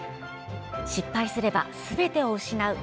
失敗すれば、すべてを失う。